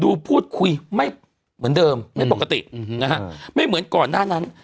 พูดคุยไม่เหมือนเดิมไม่ปกตินะฮะไม่เหมือนก่อนหน้านั้น